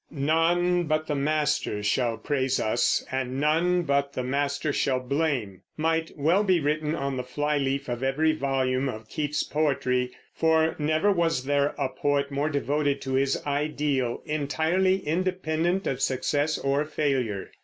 "None but the master shall praise us; and none but the master shall blame" might well be written on the fly leaf of every volume of Keats's poetry; for never was there a poet more devoted to his ideal, entirely independent of success or failure.